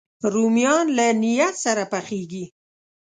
رومیان له نیت سره پخېږي